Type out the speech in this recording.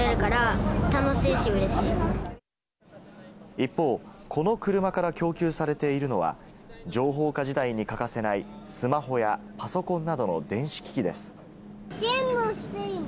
一方、この車から供給されているのは、情報化時代に欠かせないスマホやパソコンなどの電子機器です。